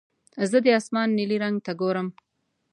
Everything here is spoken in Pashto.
زه د اسمان نیلي رنګ ته ګورم.